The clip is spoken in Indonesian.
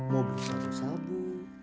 mau beli satu sabu